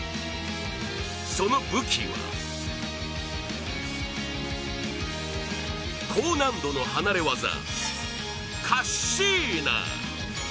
その武器は高難度の離れ技、カッシーナ。